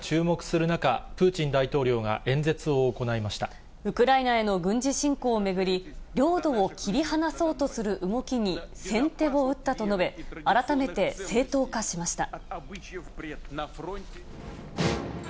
ロシアが戦勝記念日を迎えたきょう、世界が注目する中、プーチン大統領が演説を行いましウクライナへの軍事侵攻を巡り、領土を切り離そうとする動きに先手を打ったと述べ、改めて正当化しました。